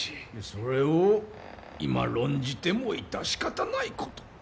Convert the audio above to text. それを今論じても致し方ないこと。